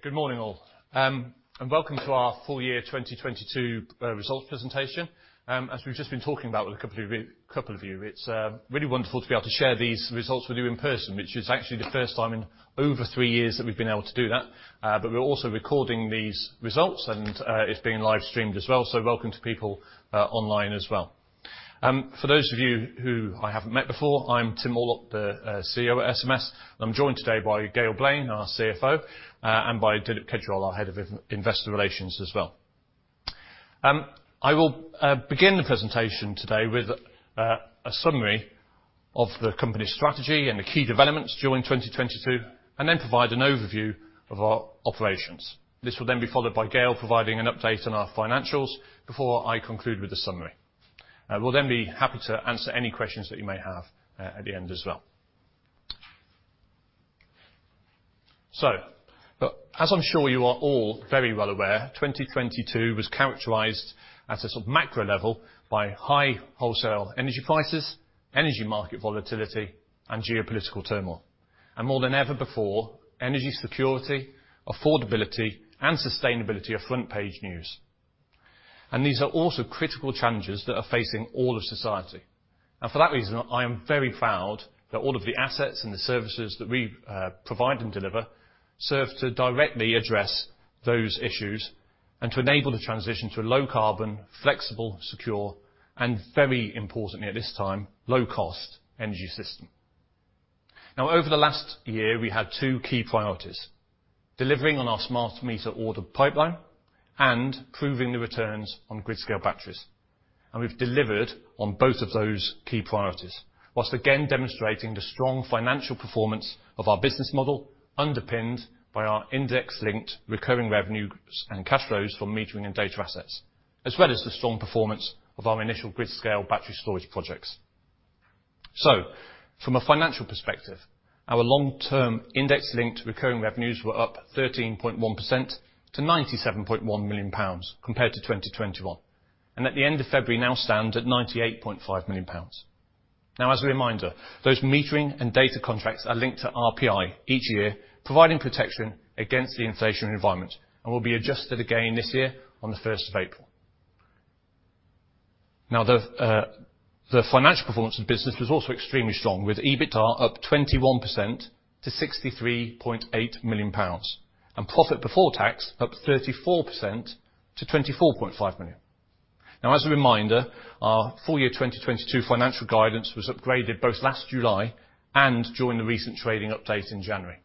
Good morning, all. Welcome to our full year 2022 results presentation. As we've just been talking about with a couple of you, it's really wonderful to be able to share these results with you in person, which is actually the first time in over three years that we've been able to do that. We're also recording these results, it's being live-streamed as well, welcome to people online as well. For those of you who I haven't met before, I'm Tim Mortlock, the CEO at SMS. I'm joined today by Gail Blain, our CFO, and by Dilip Kejriwal, our Head of Investor Relations as well. I will begin the presentation today with a summary of the company's strategy and the key developments during 2022, and then provide an overview of our operations. This will then be followed by Gail providing an update on our financials before I conclude with the summary. We'll then be happy to answer any questions that you may have at the end as well. As I'm sure you are all very well aware, 2022 was characterized at the sort of macro level by high wholesale energy prices, energy market volatility, and geopolitical turmoil. More than ever before, energy security, affordability, and sustainability are front-page news. These are also critical challenges that are facing all of society. For that reason, I am very proud that all of the assets and the services that we provide and deliver serve to directly address those issues and to enable the transition to a low carbon, flexible, secure, and very importantly at this time, low cost energy system. Over the last year, we had two key priorities: delivering on our smart meter order pipeline and proving the returns on grid-scale batteries. We've delivered on both of those key priorities, whilst again demonstrating the strong financial performance of our business model, underpinned by our index-linked recurring revenue groups and cash flows from metering and data assets, as well as the strong performance of our initial grid-scale battery storage projects. From a financial perspective, our long-term index-linked recurring revenues were up 13.1% to 97.1 million pounds compared to 2021. At the end of February now stand at 98.5 million pounds. As a reminder, those metering and data contracts are linked to RPI each year, providing protection against the inflation environment and will be adjusted again this year on the 1st of April. The financial performance of the business was also extremely strong, with EBITDA up 21% to 63.8 million pounds, and profit before tax up 34% to 24.5 million. As a reminder, our full year 2022 financial guidance was upgraded both last July and during the recent trading update in January,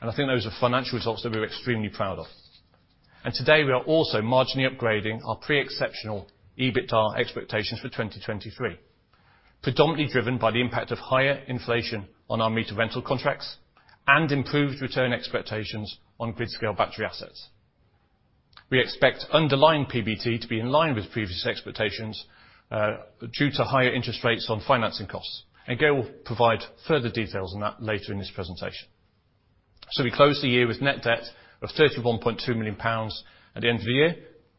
and I think those are financial results that we're extremely proud of. Today we are also marginally upgrading our pre-exceptional EBITDA expectations for 2023, predominantly driven by the impact of higher inflation on our meter rental contracts and improved return expectations on grid-scale battery assets. We expect underlying PBT to be in line with previous expectations due to higher interest rates on financing costs. Gail Blain will provide further details on that later in this presentation. We closed the year with net debt of 31.2 million pounds at the end of the year,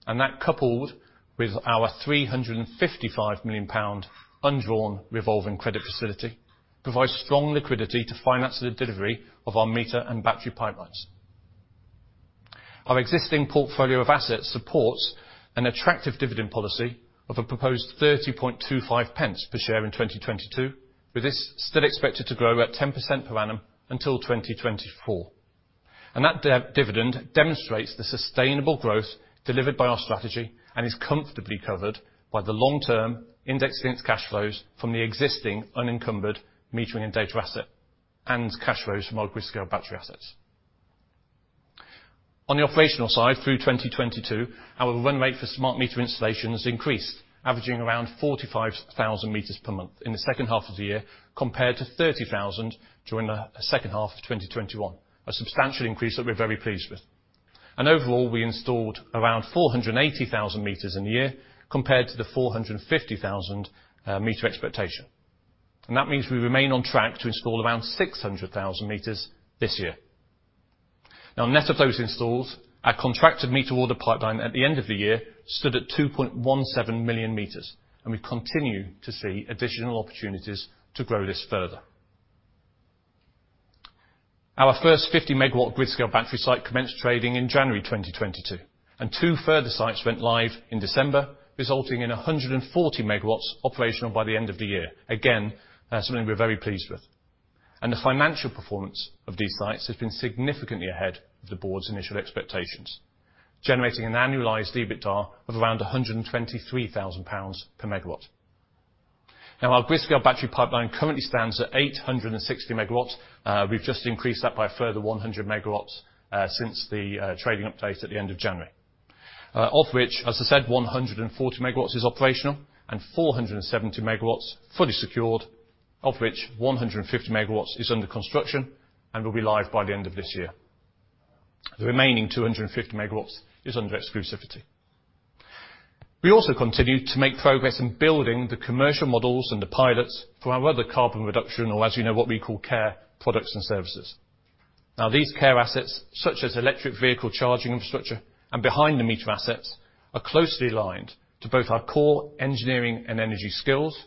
and that, coupled with our 355 million pound undrawn revolving credit facility, provides strong liquidity to finance the delivery of our meter and battery pipelines. Our existing portfolio of assets supports an attractive dividend policy of a proposed 0.3025 per share in 2022, with this still expected to grow at 10% per annum until 2024. That de-dividend demonstrates the sustainable growth delivered by our strategy and is comfortably covered by the long-term index-linked cash flows from the existing unencumbered metering and data asset and cash flows from our grid-scale battery assets. On the operational side, through 2022, our run rate for smart meter installation has increased, averaging around 45,000 m/mo In the second half of the year, compared to 30,000 m/mo during the second half of 2021, a substantial increase that we're very pleased with. Overall, we installed around 480,000 m in the year, compared to the 450,000 m expectation. That means we remain on track to install around 600,000 m this year. Now, net of those installs, our contracted meter order pipeline at the end of the year stood at 2.17 million m. We continue to see additional opportunities to grow this further. Our first 50 MW grid-scale battery site commenced trading in January 2022, two further sites went live in December, resulting in 140 MW operational by the end of the year. Again, something we're very pleased with. The financial performance of these sites has been significantly ahead of the board's initial expectations, generating an annualized EBITDA of around 123,000 pounds/MW. Now, our grid-scale battery pipeline currently stands at 860 MW. We've just increased that by a further 100 MW since the trading update at the end of January. Of which, as I said, 140 MW is operational and 470 MW fully secured, of which 150 MW is under construction and will be live by the end of this year. The remaining 250 MW is under exclusivity. We also continue to make progress in building the commercial models and the pilots for our other Carbon Reduction or, as you know, what we call CaRe products and services. Now these CaRe assets, such as electric vehicle charging infrastructure, and behind the meter assets, are closely aligned to both our core engineering and energy skills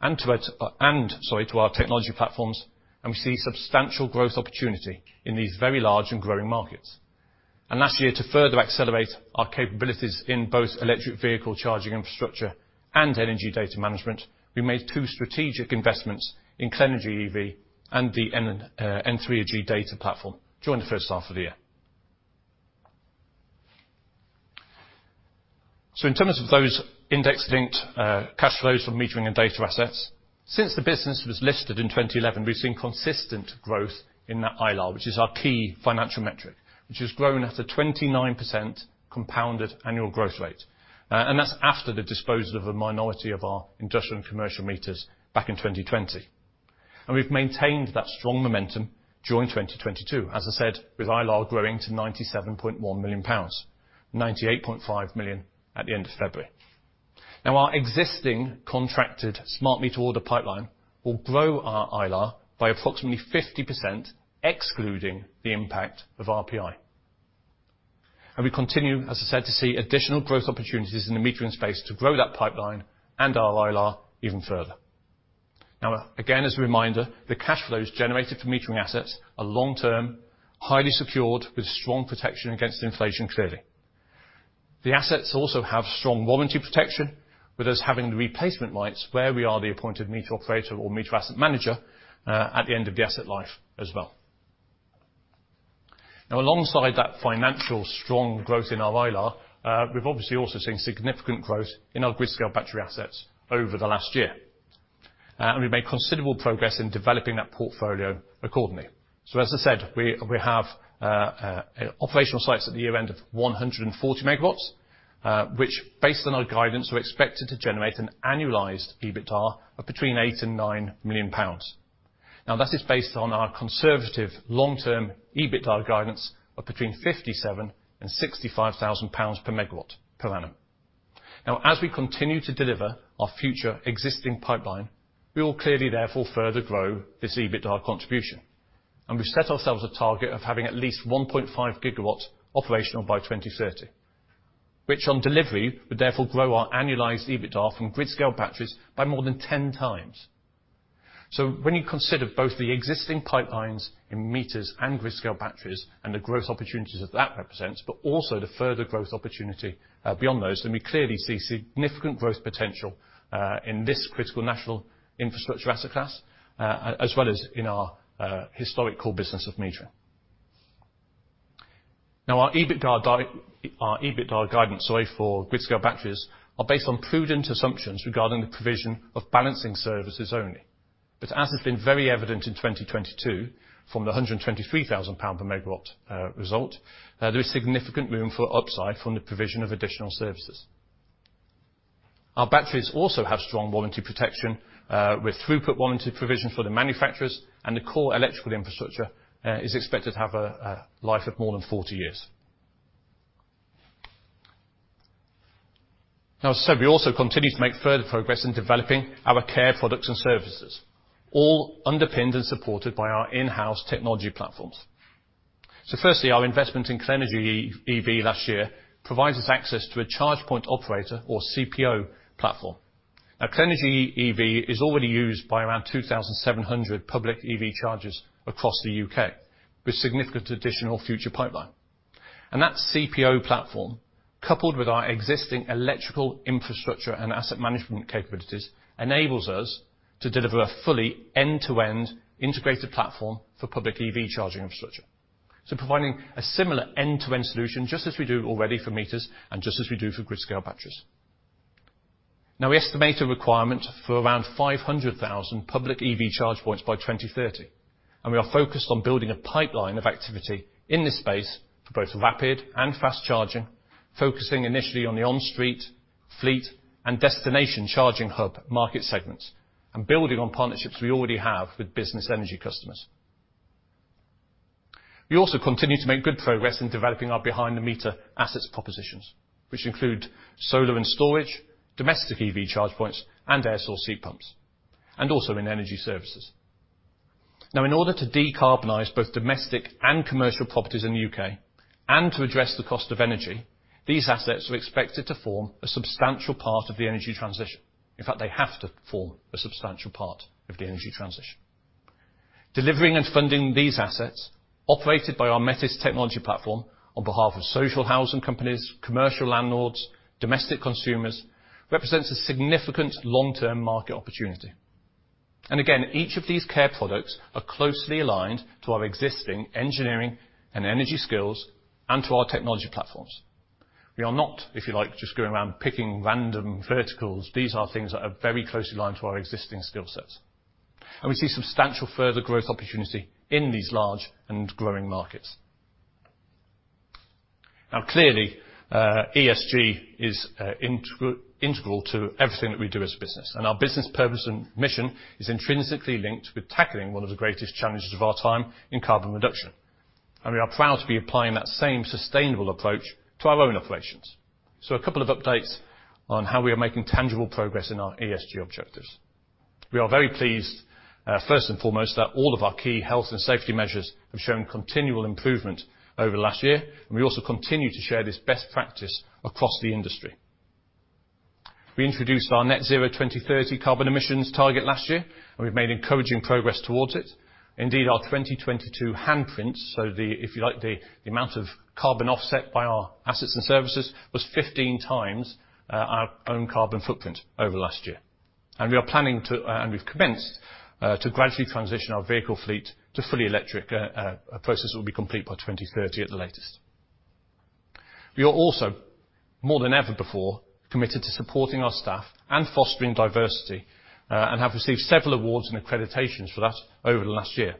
and to our technology platforms. We see substantial growth opportunity in these very large and growing markets. Last year, to further accelerate our capabilities in both electric vehicle charging infrastructure and energy data management, we made two strategic investments in Clenergy EV and the n3rgy data platform during the first half of the year. In terms of those Index-Linked cash flows from metering and data assets, since the business was listed in 2011, we've seen consistent growth in that ILAR, which is our key financial metric, which has grown at a 29% compounded annual growth rate. That's after the disposal of a minority of our industrial and commercial meters back in 2020. We've maintained that strong momentum during 2022, as I said, with ILAR growing to 97.1 million pounds, 98.5 million at the end of February. Our existing contracted smart meter order pipeline will grow our ILAR by approximately 50%, excluding the impact of RPI. We continue, as I said, to see additional growth opportunities in the metering space to grow that pipeline and our ILAR even further. Again, as a reminder, the cash flows generated from metering assets are long-term, highly secured, with strong protection against inflation, clearly. The assets also have strong warranty protection, with us having the replacement rights where we are the appointed meter operator or meter asset manager at the end of the asset life as well. Alongside that financial strong growth in our ILARR, we've obviously also seen significant growth in our grid-scale battery assets over the last year. We've made considerable progress in developing that portfolio accordingly. As I said, we have operational sites at the year-end of 140 MW, which based on our guidance, we're expected to generate an annualized EBITDAR of between 8 million and 9 million pounds. That is based on our conservative long-term EBITDAR guidance of between 57,000 and 65,000 pounds/MW per annum. As we continue to deliver our future existing pipeline, we will clearly therefore further grow this EBITDAR contribution. We've set ourselves a target of having at least 1.5 GW operational by 2030, which on delivery would therefore grow our annualized EBITDAR from grid scale batteries by more than 10x. When you consider both the existing pipelines in meters and grid scale batteries and the growth opportunities that that represents, but also the further growth opportunity beyond those, then we clearly see significant growth potential in this critical national infrastructure asset class, as well as in our historic core business of metering. Our EBITDAR guidance, sorry, for grid scale batteries are based on prudent assumptions regarding the provision of balancing services only. As has been very evident in 2022, from the 123,000 pound/MW result, there is significant room for upside from the provision of additional services. Our batteries also have strong warranty protection, with throughput warranty provision for the manufacturers and the core electrical infrastructure, is expected to have a life of more than 40 years. As I said, we also continue to make further progress in developing our CaRe products and services, all underpinned and supported by our in-house technology platforms. Firstly, our investment in Clenergy EV last year provides us access to a charge point operator or CPO platform. Clenergy EV is already used by around 2,700 public EV chargers across the U.K. with significant additional future pipeline. That CPO platform, coupled with our existing electrical infrastructure and asset management capabilities, enables us to deliver a fully end-to-end integrated platform for public EV charging infrastructure. Providing a similar end-to-end solution, just as we do already for meters and just as we do for grid scale batteries. Now we estimate a requirement for around 500,000 public EV charge points by 2030, and we are focused on building a pipeline of activity in this space for both rapid and fast charging, focusing initially on the on-street, fleet, and destination charging hub market segments, and building on partnerships we already have with business energy customers. We also continue to make good progress in developing our behind the meter assets propositions, which include solar and storage, domestic EV charge points, and air source heat pumps, and also in energy services. Now in order to decarbonize both domestic and commercial properties in the U.K., and to address the cost of energy, these assets are expected to form a substantial part of the energy transition. In fact, they have to form a substantial part of the energy transition. Delivering and funding these assets, operated by our Metis technology platform on behalf of social housing companies, commercial landlords, domestic consumers, represents a significant long-term market opportunity. Again, each of these CaRe products are closely aligned to our existing engineering and energy skills and to our technology platforms. We are not, if you like, just going around picking random verticals. These are things that are very closely aligned to our existing skill sets. We see substantial further growth opportunity in these large and growing markets. Now, clearly, ESG is integral to everything that we do as a business, and our business purpose and mission is intrinsically linked with tackling one of the greatest challenges of our time in carbon reduction. We are proud to be applying that same sustainable approach to our own operations. A couple of updates on how we are making tangible progress in our ESG objectives. We are very pleased, first and foremost, that all of our key health and safety measures have shown continual improvement over the last year, and we also continue to share this best practice across the industry. We introduced our net zero 2030 carbon emissions target last year, and we've made encouraging progress towards it. Indeed, our 2022 handprint, so the, if you like, the amount of carbon offset by our assets and services was 15x our own carbon footprint over last year. We are planning to, and we've commenced, to gradually transition our vehicle fleet to fully electric, process will be complete by 2030 at the latest. We are also, more than ever before, committed to supporting our staff and fostering diversity, and have received several awards and accreditations for that over the last year.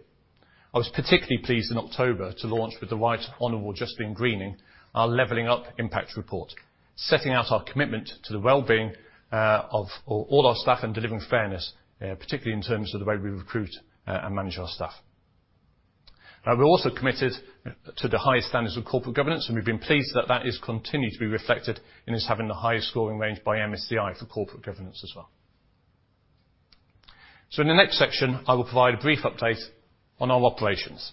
I was particularly pleased in October to launch with the Right Honourable Justine Greening, our leveling up impact report, setting out our commitment to the well-being of all our staff and delivering fairness, particularly in terms of the way we recruit and manage our staff. We're also committed to the highest standards of corporate governance, and we've been pleased that that is continued to be reflected in us having the highest scoring range by MSCI for corporate governance as well. In the next section, I will provide a brief update on our operations.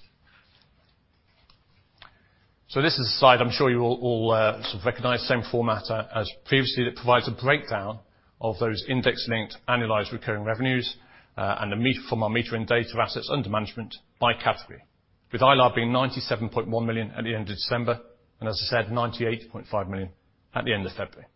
This is a slide I'm sure you all sort of recognize, same format as previously, that provides a breakdown of those index-linked annualized recurring revenues from our metering data assets under management by category, with ILAR being 97.1 million at the end of December, and as I said, 98.5 million at the end of February.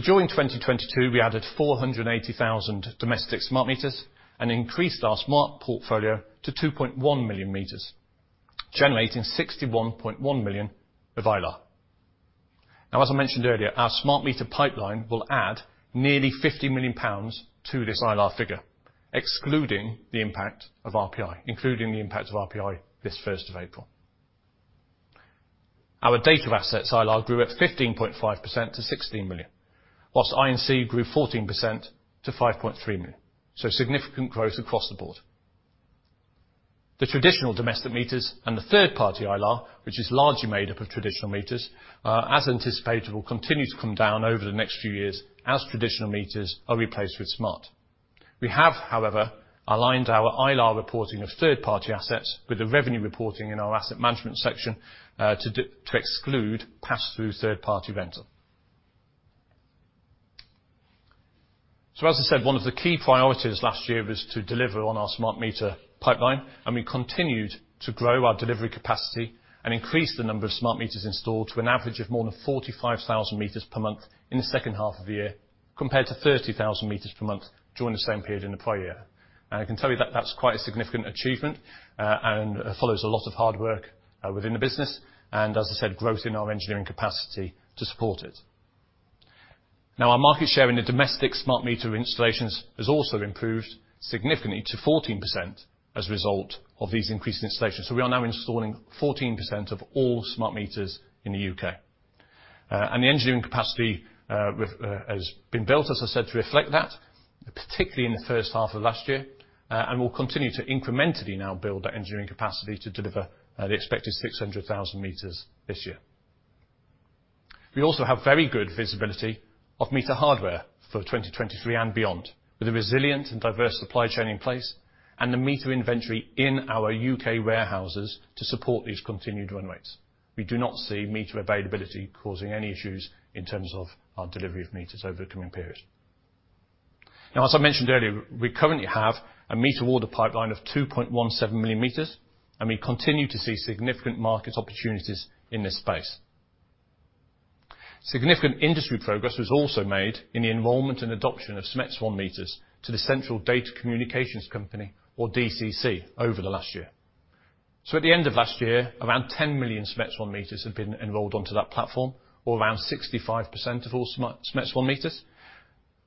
During 2022, we added 480,000 domestic smart meters and increased our smart portfolio to 2.1 million m, generating 61.1 million of ILAR. As I mentioned earlier, our smart meter pipeline will add nearly 50 million pounds to this ILAR figure, excluding the impact of RPI, including the impact of RPI this 1st of April. Our data assets ILAR grew at 15.5% to 16 million, whilst I&C grew 14% to 5.3 million, significant growth across the board. The traditional domestic meters and the third-party ILAR, which is largely made up of traditional meters, as anticipated, will continue to come down over the next few years as traditional meters are replaced with smart. We have, however, aligned our ILAR reporting of third-party assets with the revenue reporting in our asset management section, to exclude pass-through third-party vendor. As I said, one of the key priorities last year was to deliver on our smart meter pipeline, and we continued to grow our delivery capacity and increase the number of smart meters installed to an average of more than 45,000 m/mo in the second half of the year, compared to 30,000 m/mo during the same period in the prior year. I can tell you that that's quite a significant achievement, and follows a lot of hard work within the business and, as I said, growth in our engineering capacity to support it. Now, our market share in the domestic smart meter installations has also improved significantly to 14% as a result of these increased installations. We are now installing 14% of all smart meters in the U.K. The engineering capacity has been built, as I said, to reflect that, particularly in the first half of last year, and we'll continue to incrementally now build that engineering capacity to deliver the expected 600,000 m this year. We also have very good visibility of meter hardware for 2023 and beyond, with a resilient and diverse supply chain in place and the meter inventory in our UK warehouses to support these continued run rates. We do not see meter availability causing any issues in terms of our delivery of meters over the coming period. As I mentioned earlier, we currently have a meter order pipeline of 2.17 million m, and we continue to see significant market opportunities in this space. Significant industry progress was also made in the involvement and adoption of SMETS1 meters to the Data Communications Company, or DCC, over the last year. At the end of last year, around 10 million SMETS1 meters had been enrolled onto that platform, or around 65% of all SMETS1 meters.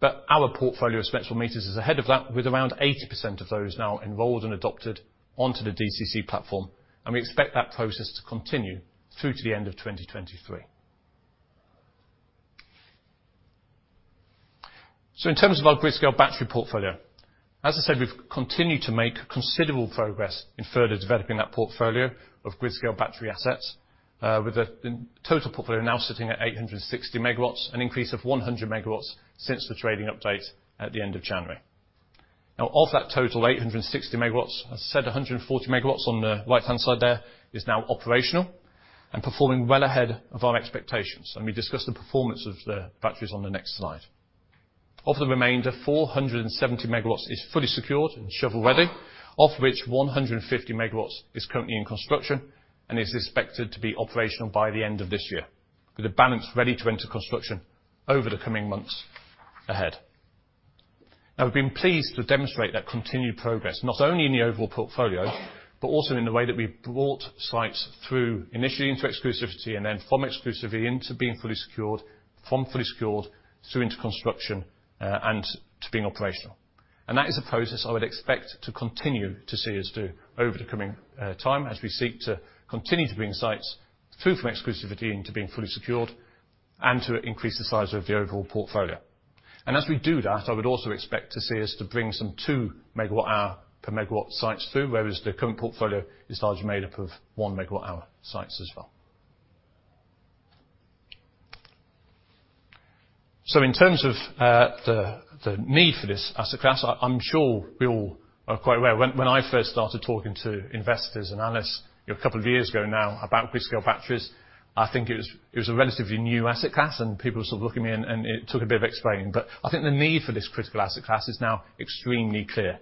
Our portfolio of SMETS1 meters is ahead of that, with around 80% of those now enrolled and adopted onto the DCC platform, and we expect that process to continue through to the end of 2023. In terms of our grid-scale battery portfolio, as I said, we've continued to make considerable progress in further developing that portfolio of grid-scale battery assets, with the total portfolio now sitting at 860 MW, an increase of 100 MW since the trading update at the end of January. Of that total 860 MW, as I said, 140 MW on the right-hand side there is now operational and performing well ahead of our expectations, and we discuss the performance of the batteries on the next slide. Of the remainder, 470 MW is fully secured and shovel-ready, of which 150 MW is currently in construction and is expected to be operational by the end of this year, with the balance ready to enter construction over the coming months ahead. We've been pleased to demonstrate that continued progress, not only in the overall portfolio, but also in the way that we've brought sites through initially into exclusivity and then from exclusivity into being fully secured, from fully secured through into construction, and to being operational. That is a process I would expect to continue to see us do over the coming time as we seek to continue to bring sites through from exclusivity into being fully secured and to increase the size of the overall portfolio. As we do that, I would also expect to see us to bring some 2 MWh per megawatt sites through, whereas the current portfolio is largely made up of 1 MWh sites as well. In terms of the need for this asset class, I'm sure we all are quite aware. When, when I first started talking to investors and analysts, you know, a couple of years ago now about grid-scale batteries, I think it was, it was a relatively new asset class, and people were sort of looking at me and it took a bit of explaining. I think the need for this critical asset class is now extremely clear.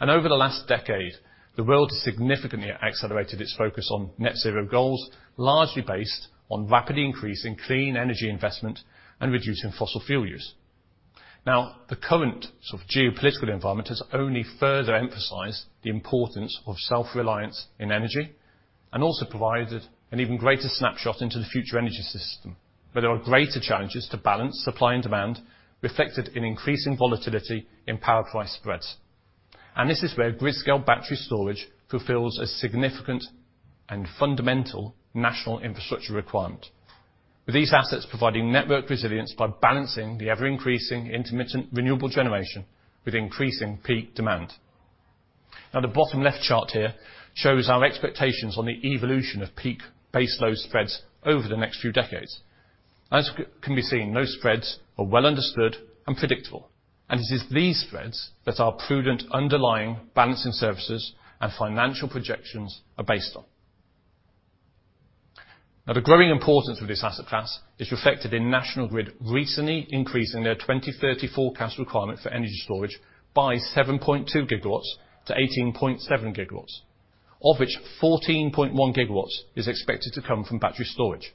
Over the last decade, the world has significantly accelerated its focus on net zero goals, largely based on rapidly increasing clean energy investment and reducing fossil fuel use. The current sort of geopolitical environment has only further emphasized the importance of self-reliance in energy, and also provided an even greater snapshot into the future energy system, where there are greater challenges to balance supply and demand, reflected in increasing volatility in power price spreads. This is where grid-scale battery storage fulfills a significant and fundamental national infrastructure requirement, with these assets providing network resilience by balancing the ever-increasing intermittent renewable generation with increasing peak demand. The bottom left chart here shows our expectations on the evolution of peak base load spreads over the next few decades. As can be seen, those spreads are well understood and predictable, and it is these spreads that our prudent underlying balancing services and financial projections are based on. The growing importance of this asset class is reflected in National Grid recently increasing their 2030 forecast requirement for energy storage by 7.2 GW to 18.7 GW, of which 14.1 GW is expected to come from battery storage.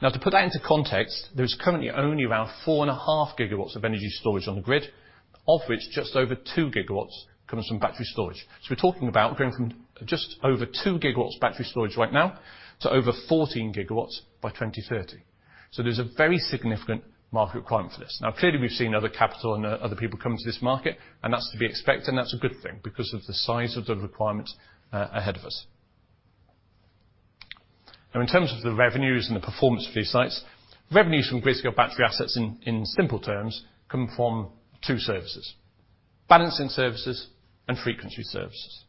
To put that into context, there's currently only around 4.5 GW of energy storage on the grid, of which just over 2 GW comes from battery storage. We're talking about going from just over 2 GW battery storage right now to over 14 GW by 2030. There's a very significant market requirement for this. Clearly we've seen other capital and other people come into this market, and that's to be expected, and that's a good thing because of the size of the requirement ahead of us. In terms of the revenues and the performance of these sites, revenues from grid-scale battery assets in simple terms come from two services, balancing services and frequency services.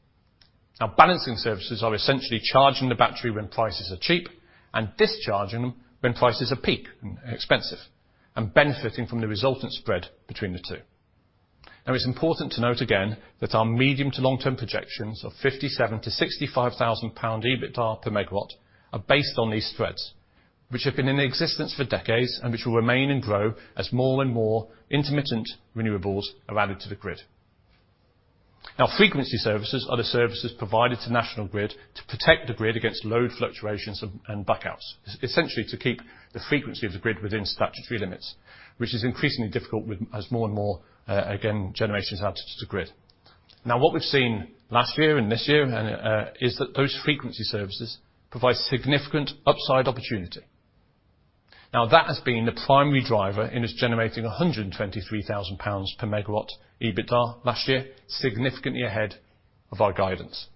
Balancing services are essentially charging the battery when prices are cheap and discharging them when prices are peak and expensive and benefiting from the resultant spread between the two. It's important to note again that our medium to long term projections of 57,000-65,000 pound EBITDA/MW are based on these spreads, which have been in existence for decades and which will remain and grow as more and more intermittent renewables are added to the grid. Frequency services are the services provided to National Grid to protect the grid against load fluctuations and blackouts, essentially to keep the frequency of the grid within statutory limits, which is increasingly difficult with as more and more again generations added to the grid. What we've seen last year and this year and is that those frequency services provide significant upside opportunity. That has been the primary driver in us generating 123,000 pounds/MW EBITDA last year, significantly ahead of our guidance.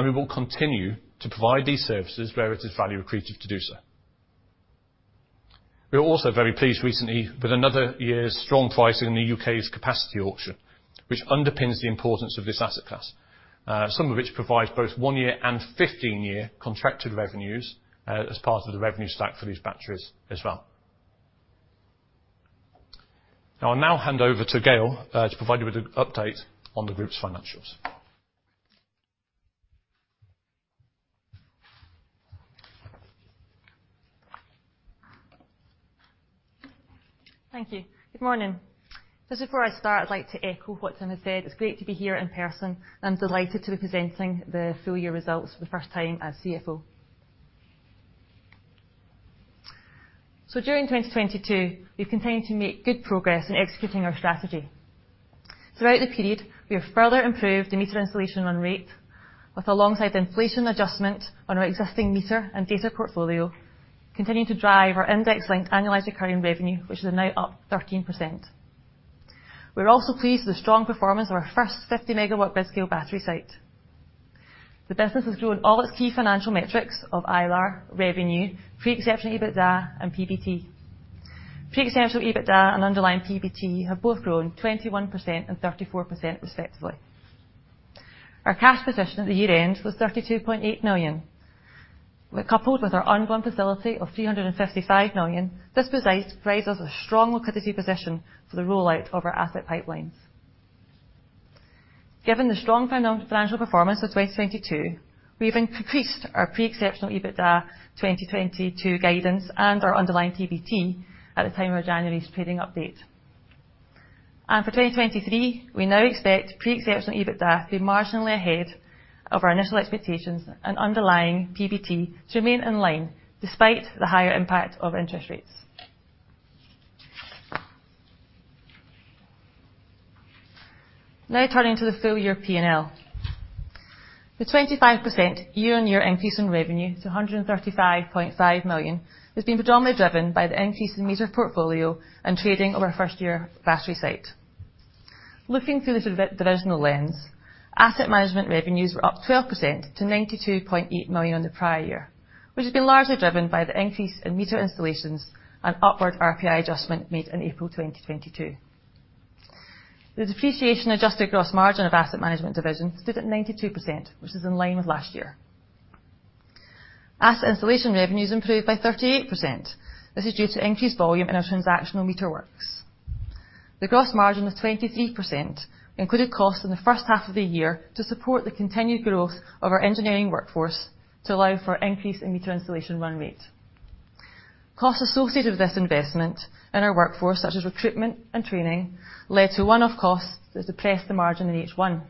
We will continue to provide these services where it is value accretive to do so. We are also very pleased recently with another year's strong pricing in the UK's Capacity Auction, which underpins the importance of this asset class, some of which provides both one-year and 15-year contracted revenues, as part of the revenue stack for these batteries as well. I will now hand over to Gail, to provide you with an update on the group's financials. Thank you. Good morning. Just before I start, I'd like to echo what Tim has said. It's great to be here in person. I'm delighted to be presenting the full year results for the first time as CFO. During 2022, we've continued to make good progress in executing our strategy. Throughout the period, we have further improved the meter installation run rate with, alongside the inflation adjustment on our existing meter and data portfolio, continuing to drive our Index-Linked Annualised Recurring Revenue, which is now up 13%. We're also pleased with the strong performance of our first 50 MW grid-scale battery site. The business has grown all its key financial metrics of IRR, revenue, pre-exceptional EBITDA and PBT. Pre-exceptional EBITDA and underlying PBT have both grown 21% and 34% respectively. Our cash position at the year-end was 32.8 million. When coupled with our undrawn facility of 355 million, this posite provides us a strong liquidity position for the rollout of our asset pipelines. Given the strong financial performance of 2022, we even increased our pre-exceptional EBITDA 2022 guidance and our underlying PBT at the time of our January trading update. For 2023, we now expect pre-exceptional EBITDA to be marginally ahead of our initial expectations and underlying PBT to remain in line despite the higher impact of interest rates. Now turning to the full year P&L. The 25% year-on-year increase in revenue to 135.5 million has been predominantly driven by the increase in meter portfolio and trading over our first year battery site. Looking through the divisional lens, asset management revenues were up 12% to 92.8 million on the prior year, which has been largely driven by the increase in meter installations and upward RPI adjustment made in April 2022. The depreciation adjusted gross margin of asset management division stood at 92%, which is in line with last year. Asset installation revenues improved by 38%. This is due to increased volume in our transactional meter works. The gross margin of 23% included costs in the first half of the year to support the continued growth of our engineering workforce to allow for increase in meter installation run rate. Costs associated with this investment in our workforce, such as recruitment and training, led to one-off costs that suppressed the margin in H1.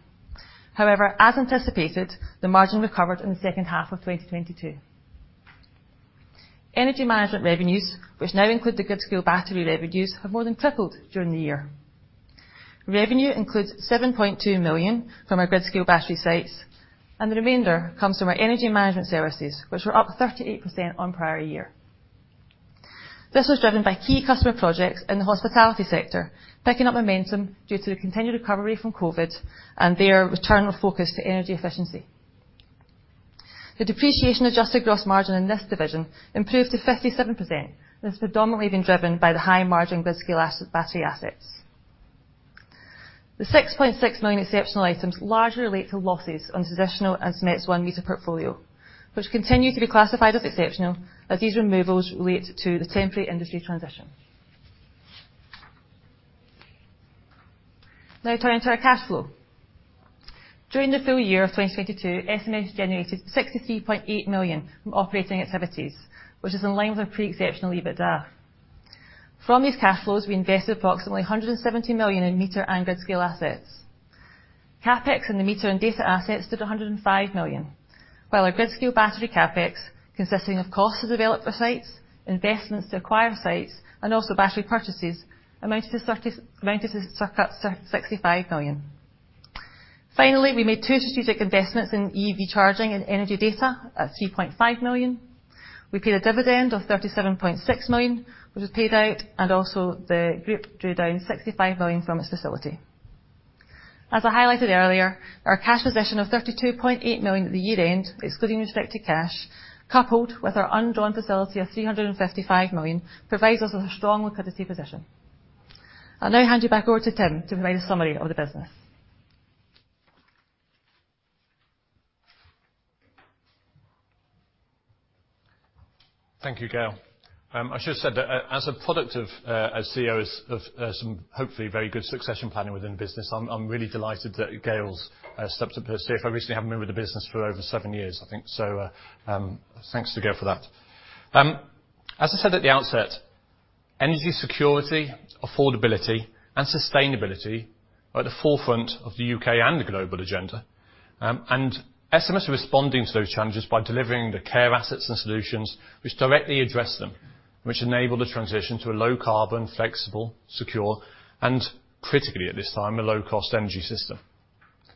As anticipated, the margin recovered in the second half of 2022. Energy management revenues, which now include the grid-scale battery revenues, have more than tripled during the year. Revenue includes 7.2 million from our grid-scale battery sites, and the remainder comes from our energy management services, which were up 38% on prior year. This was driven by key customer projects in the hospitality sector, picking up momentum due to the continued recovery from COVID and their return of focus to energy efficiency. The depreciation-adjusted gross margin in this division improved to 57%. This has predominantly been driven by the high margin grid-scale battery assets. The 6.6 million exceptional items largely relate to losses on traditional SMETS1 meter portfolio, which continue to be classified as exceptional as these removals relate to the temporary industry transition. Turning to our cash flow. During the full year of 2022, SMS generated 63.8 million from operating activities, which is in line with our pre-exceptional EBITDA. From these cash flows, we invested approximately 170 million in meter and grid-scale assets. CapEx in the meter and data assets stood 105 million, while our grid-scale battery CapEx, consisting of costs to develop the sites, investments to acquire sites, and also battery purchases, amounted to circa 65 million. We made two strategic investments in EV charging and energy data at 3.5 million. We paid a dividend of 37.6 million, which was paid out, the group drew down 65 million from its facility. As I highlighted earlier, our cash position of 32.8 million at the year-end, excluding restricted cash, coupled with our undrawn facility of 355 million, provides us with a strong liquidity position. I'll now hand you back over to Tim to provide a summary of the business. Thank you, Gail. I should have said that, as a product of, as CEO is, of, some hopefully very good succession planning within the business, I'm really delighted that Gail's stepped up here, as she obviously has been with the business for over seven years, I think. Thanks to Gail for that. As I said at the outset, energy security, affordability and sustainability are at the forefront of the U.K. and the global agenda. SMS is responding to those challenges by delivering the CaRe assets and solutions which directly address them, which enable the transition to a low carbon, flexible, secure and, critically at this time, a low-cost energy system.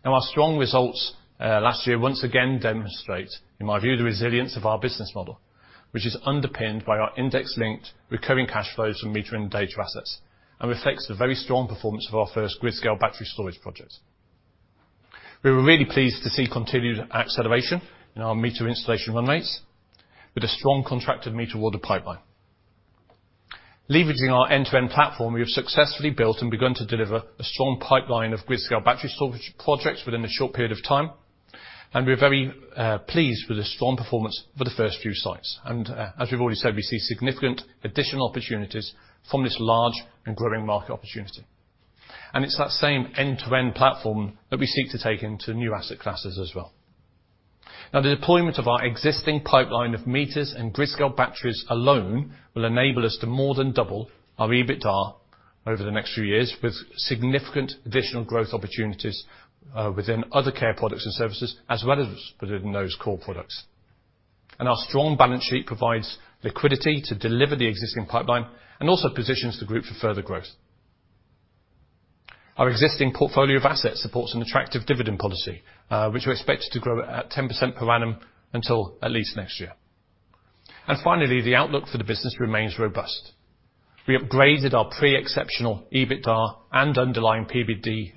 Now, our strong results last year once again demonstrate, in my view, the resilience of our business model, which is underpinned by our index-linked recurring cash flows from meter and data assets, and reflects the very strong performance of our first grid-scale battery storage project. We were really pleased to see continued acceleration in our meter installation run rates with a strong contracted meter order pipeline. Leveraging our end-to-end platform, we have successfully built and begun to deliver a strong pipeline of grid-scale battery storage projects within a short period of time, and we are very pleased with the strong performance for the first few sites. As we've already said, we see significant additional opportunities from this large and growing market opportunity. It's that same end-to-end platform that we seek to take into new asset classes as well. The deployment of our existing pipeline of meters and grid-scale batteries alone will enable us to more than double our EBITDA over the next few years, with significant additional growth opportunities within other CaRe products and services, as well as within those core products. Our strong balance sheet provides liquidity to deliver the existing pipeline and also positions the group for further growth. Our existing portfolio of assets supports an attractive dividend policy, which we expect to grow at 10% per annum until at least next year. Finally, the outlook for the business remains robust. We upgraded our pre-exceptional EBITDA and underlying PBT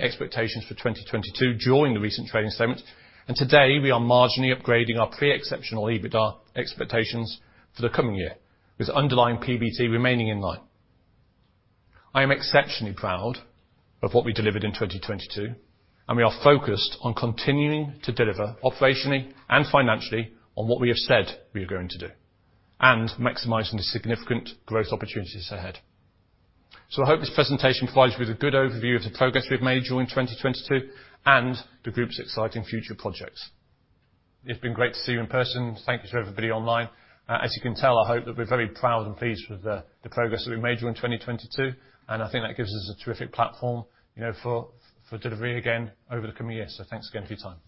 expectations for 2022 during the recent trading statement, and today we are marginally upgrading our pre-exceptional EBITDA expectations for the coming year, with underlying PBT remaining in line. I am exceptionally proud of what we delivered in 2022, and we are focused on continuing to deliver operationally and financially on what we have said we are going to do, and maximizing the significant growth opportunities ahead. I hope this presentation provides you with a good overview of the progress we've made during 2022 and the group's exciting future projects. It's been great to see you in person. Thank you to everybody online. As you can tell, I hope that we're very proud and pleased with the progress that we made during 2022, and I think that gives us a terrific platform, you know, for delivery again over the coming years. Thanks again for your time.